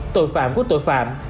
tội phạm của tội phạm